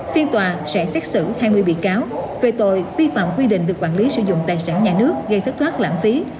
phiên tòa sẽ xét xử hai mươi bị cáo về tội vi phạm quy định về quản lý sử dụng tài sản nhà nước gây thất thoát lãng phí